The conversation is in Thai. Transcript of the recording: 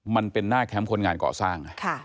มันเป็นหน้าแคมป์คนงานก่อสร้าง